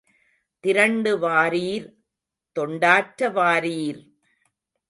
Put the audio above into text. திரண்டு வாரீர் தொண்டாற்ற வாரீர்!